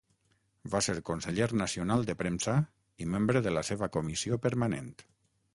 Va ser conseller nacional de Premsa i membre de la seva comissió permanent.